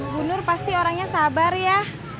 bu nur pasti orangnya sabar ya